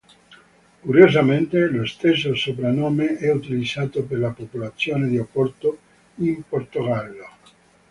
Curiosamente, lo stesso soprannome è utilizzato per la popolazione di Oporto, in Portogallo.